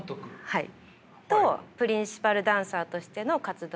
はい。